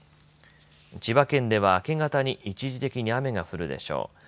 千葉県では明け方に一時的に雨が降るでしょう。